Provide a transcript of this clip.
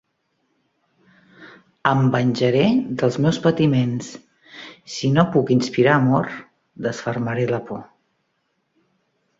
Em venjaré dels meus patiments; si no puc inspirar amor, desfermaré la por.